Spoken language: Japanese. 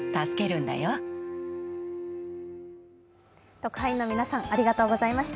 特派員の皆さんありがとうございました。